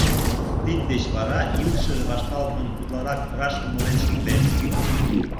Тиддеч вара илышыже вашталтмым утларак раш умылен шуктен.